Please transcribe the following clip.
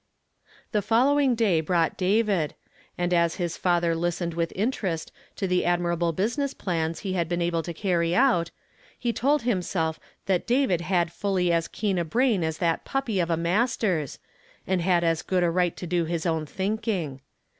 The following day brought David ; and as his father listened with interest to the admirable busi ness plans he had been able to carry out, he told himself that David had fully as keen a brain us that puppy of a Masters, and had as good a riglit to do his own thinking.